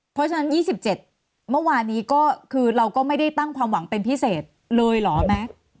เพราะฉะนั้น๒๗เมื่อวานนี้ก็คือเราก็ไม่ได้ตั้งความหวังเป็นพิเศษเลยเหรอแม็กซ์